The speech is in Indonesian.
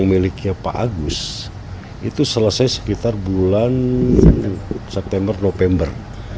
itu selesai sekitar bulan september november dua ribu enam belas